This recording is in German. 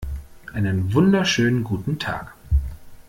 Einen wunderschönen guten Tag!